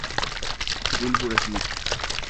Wilbur Smith